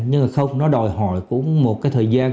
nhưng mà không nó đòi hỏi cũng một cái thời gian